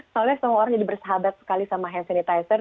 soalnya semua orang jadi bersahabat sekali sama hand sanitizer